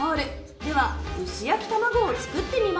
では薄焼き卵を作ってみましょう